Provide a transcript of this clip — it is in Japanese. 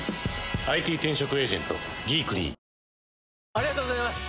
ありがとうございます！